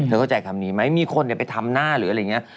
เข้าใจคำนี้ไหมมีคนไปทำหน้าหรืออะไรอย่างนี้